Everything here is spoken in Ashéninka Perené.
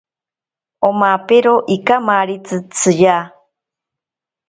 Omapero ikamaritzi tsiya.